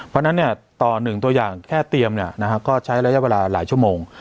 เพราะฉะนั้นต่อ๑ตัวอย่างแค่เตรียมก็ใช้ระยะเวลาหลายชั่วโมง